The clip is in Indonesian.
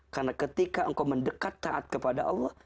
karena ketika engkau mendekat taat kepada allah